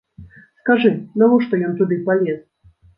Скажы, навошта ён туды палез?